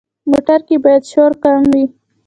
موټر کې باید شور کم وي.